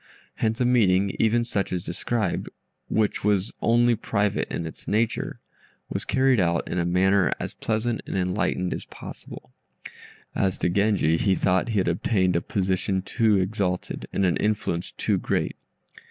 Hence a meeting even such as above described, which was only private in its nature, was carried out in a manner as pleasant and enlightened as possible. As to Genji, he thought he had obtained a position too exalted, and an influence too great.